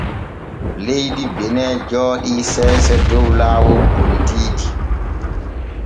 Leydi Benin jooɗi seese dow laawol politiiki.